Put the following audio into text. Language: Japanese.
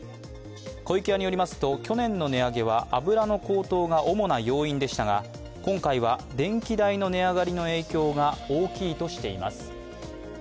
湖池屋によりますと去年の値上げは油の高騰が要因でしたが今回は電気代の値上がりの影響が大きいとしています。